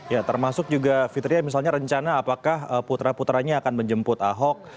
ya termasuk juga fitria misalnya rencana apakah putra putranya akan menjemput ahok